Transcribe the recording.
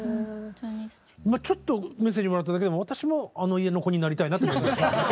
今ちょっとメッセージもらっただけでも私もあの家の子になりたいなと思いました。